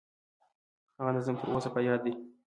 هغه نظم تر اوسه په یاد دي.